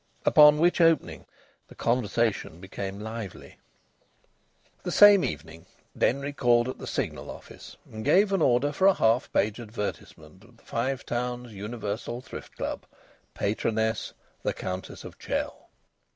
Upon which opening the conversation became lively. The same evening Denry called at the Signal office and gave an order for a half page advertisement of the Five Towns Universal Thrift Club "Patroness, the Countess of Chell."